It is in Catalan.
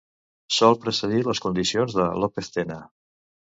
Sol precedir les condicions de López Tena.